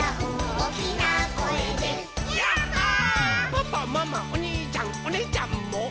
「パパママおにいちゃんおねぇちゃんも」